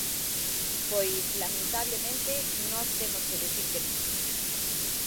Pois, lamentablemente, nós temos que dicir que non.